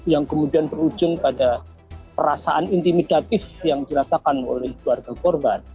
yang kemudian berujung pada perasaan intimidatif yang dirasakan oleh keluarga korban